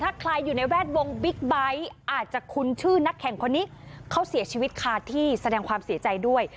ถ้าใครอยู่ในแวดวงบิ๊กไบท์อาจจะคุ้นชื่อนักแข่งคนนี้เขาเสียชีวิตคาที่แสดงความเสียใจด้วย